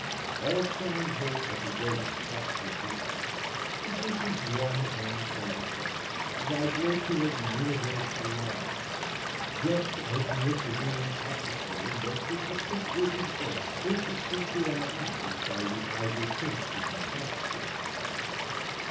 All sound heard at the greatest possible distance produces one and the same effect, a vibration of the universal lyre, just as the intervening atmosphere makes a distant ridge of earth interesting to our eyes by the azure tint it imparts to it.